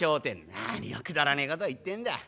「何をくだらねえこと言ってんだ。